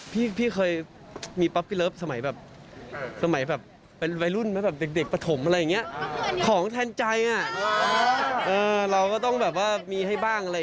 พี่เก่มีป๊อปปี้ลัฟท์ไหวลุ่นเด็กปฐมอะไรอย่างนี้ของแทนใจเราก็ต้องมีให้บ้าง